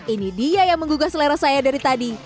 ini dia yang menggugah selera saya dari tadi